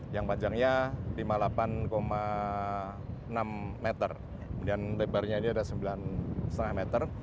yang panjangnya lima puluh delapan enam meter kemudian lebarnya ini ada sembilan lima meter